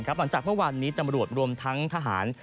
หลังจากเมื่อวานนี้ตำรวจรวมทั้งทหาร